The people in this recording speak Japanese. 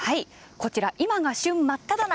こちら今が旬真っただ中